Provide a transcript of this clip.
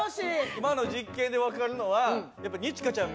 今の実験で分かるのはやっぱ二千翔ちゃん